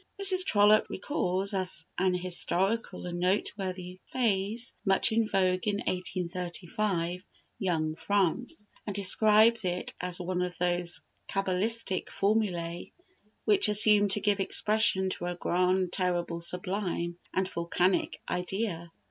Mrs. Trollope records as an historical and noteworthy phrase, much in vogue in 1835, "Young France," and describes it as one of those cabalistic formulæ which assume to give expression to a grand, terrible, sublime, and volcanic idea.